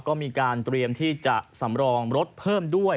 ก็มีการเตรียมที่จะสำรองรถเพิ่มด้วย